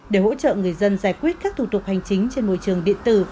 để hỗ trợ người dân giải quyết các thủ tục hành chính trên môi trường điện tử